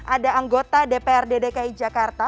ada anggota dprd dki jakarta